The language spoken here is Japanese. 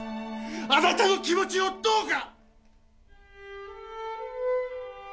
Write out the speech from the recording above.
あなたの気持ちをどうか。